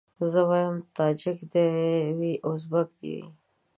زه وايم تاجک دي وي ازبک دي وي